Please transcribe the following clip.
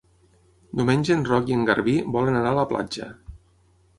Diumenge en Roc i en Garbí volen anar a la platja.